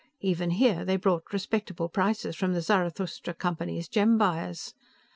Even here, they brought respectable prices from the Zarathustra Company's gem buyers.